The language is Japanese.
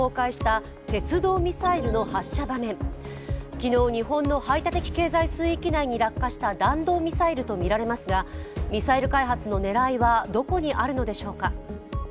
昨日、日本の排他的経済水域内に落下した弾道ミサイルとみられますがミサイル開発の狙いはどこにあるのでしょうか。